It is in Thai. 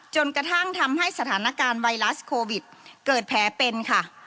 จนกระทั่งทำให้สถานการณ์ไวรัสโควิดเกิดแผลเป็นค่ะ